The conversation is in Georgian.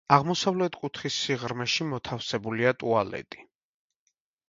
აღმოსავლეთი კუთხის სიღრმეში მოთავსებულია ტუალეტი.